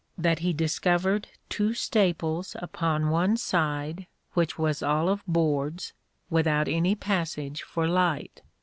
That he discovered two staples upon one side, which was all of boards, without any passage for light.